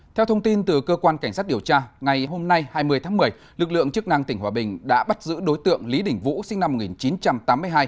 theo thông tin từ cơ quan cảnh sát điều tra ngày hôm nay hai mươi tháng một mươi lực lượng chức năng tỉnh hòa bình đã bắt giữ đối tượng lý đình vũ sinh năm một nghìn chín trăm tám mươi hai